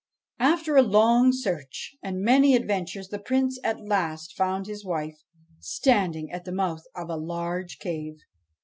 After a long search and many adventures, the Prince at last found his wife, standing at the mouth of a large cave.